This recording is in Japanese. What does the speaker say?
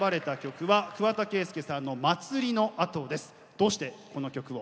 どうしてこの曲を？